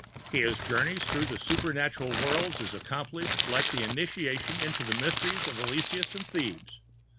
His Journey through the supernatural worlds is accomplished like the initiation into the Mysteries of Eleusis and Thebes.